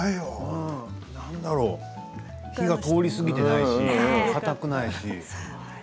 何だろう火が通りすぎていないしかたくないし。